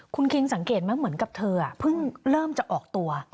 คุณคิงสังเกตไหมเหมือนกับเธอเพิ่งเริ่มจะออกตัว